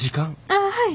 あっはい。